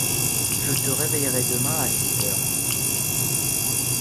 Je te réveillerai demain à six heures.